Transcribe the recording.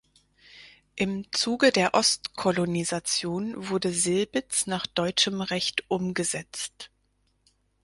Im Zuge der Ostkolonisation wurde Silbitz nach deutschem Recht umgesetzt.